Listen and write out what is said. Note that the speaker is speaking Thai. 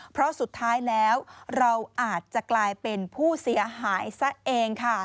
เพราะสุดท้ายแล้วเราอาจจะกลายเป็นผู้เสียหายซะเองค่ะ